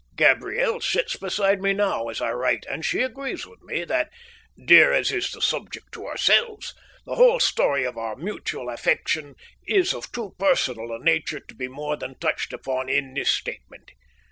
Gabriel sits beside me now as I write, and she agrees with me that, dear as is the subject to ourselves, the whole story of our mutual affection is of too personal a nature to be more than touched upon in this statement.